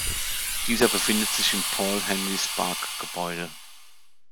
Dieser befindet sich im Paul-Henri Spaak-Gebäude.